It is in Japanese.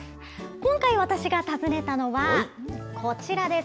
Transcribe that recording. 今回私が訪ねたのは、こちらです。